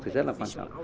thì rất là quan trọng